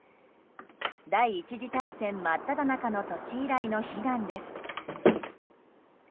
第１次大戦真っただ中の年以来の悲願です。